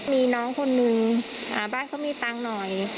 มีน้องคนนึงบ้านเขามีตังค์หน่อย